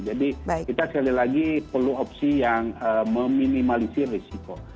jadi kita sekali lagi perlu opsi yang meminimalisir risiko